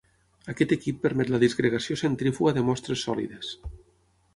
Aquest equip permet la disgregació centrífuga de mostres sòlides.